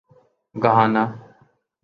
Ghana